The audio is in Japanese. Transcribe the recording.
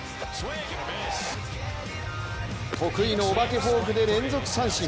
得意のお化けフォークで連続三振。